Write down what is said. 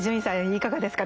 いかがですか？